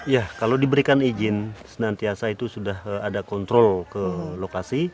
ya kalau diberikan izin senantiasa itu sudah ada kontrol ke lokasi